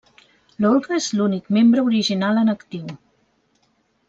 L'Olga és l'únic membre original en actiu.